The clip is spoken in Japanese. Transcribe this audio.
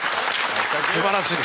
すばらしい。